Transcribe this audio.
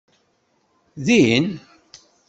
Din?